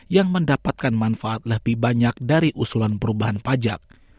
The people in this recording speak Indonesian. yang mendapatkan manfaat lebih banyak dari usulan perubahan pajak